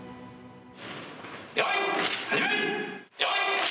よーい、始め。